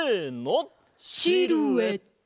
シルエット！